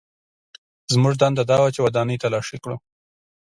زموږ دنده دا وه چې ودانۍ تلاشي کړو